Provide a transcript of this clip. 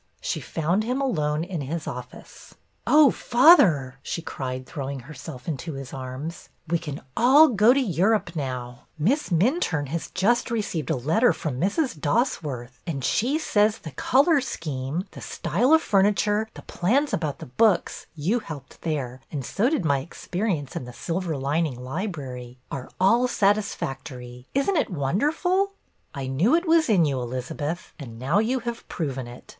She found him alone in his office. Oh, father,'' she cried, throwing herself into his arms, we can all go to Europe now. Miss 314 BETTY BAIRD'S VENTURES Minturne has just received a letter from Mrs. Dosworth, and she says the color scheme, the style of furniture, the plans about the books — you helped there, and so did my experience in the Silver lining Library — are all satisfactory. Is n't it wonderful !" I knew it was in you, Elizabeth, and now you have proven it.